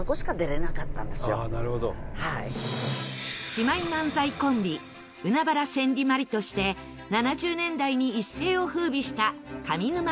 姉妹漫才コンビ海原千里・万里として７０年代に一世を風靡した上沼恵美子さん。